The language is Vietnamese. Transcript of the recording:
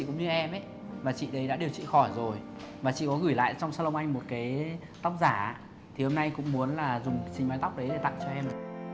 chị cũng như em ấy mà chị ấy đã điều trị khỏi rồi và chị ấy có gửi lại trong salon anh một cái tóc giả thì hôm nay cũng muốn là dùng cái mái tóc đấy để tặng cho em